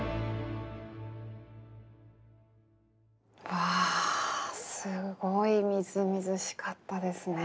わあすごいみずみずしかったですね。